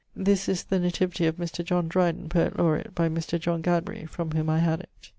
This is the nativity of Mr. John Dreyden, poet laureat, by Mr. John Gadbury, from whom I had it.